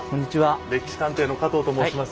「歴史探偵」の加藤と申します。